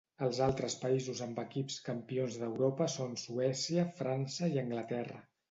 Els altres països amb equips campions d'Europa són Suècia, França i Anglaterra.